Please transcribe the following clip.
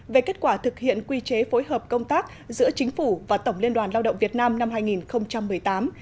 về kết quả thực hiện quy chế phối hợp công tác giữa chính phủ và tổng liên đoàn lao động việt nam năm hai nghìn một mươi tám